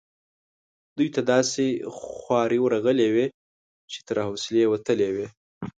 دوی ته داسي خوارې ورغلي وې چې تر حوصلې وتلې وي.